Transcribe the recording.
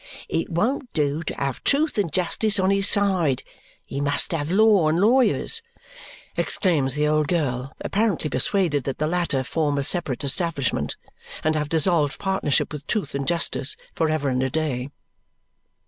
It won't do to have truth and justice on his side; he must have law and lawyers," exclaims the old girl, apparently persuaded that the latter form a separate establishment and have dissolved partnership with truth and justice for ever and a day.